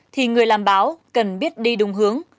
thì người làm báo cần biết đi đúng hướng